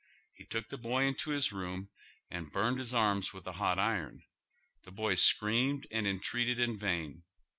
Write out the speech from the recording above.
He took the boy into his room and burned his arms with a hot iron. Tiie boy screamed and entreated in vain.